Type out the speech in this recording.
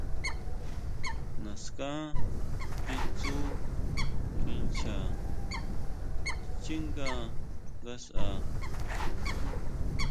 Naská kitsú kinchá xchínga ngasʼa.